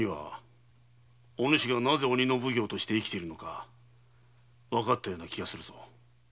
お主がなぜ鬼の奉行として生きているかわかったような気がする。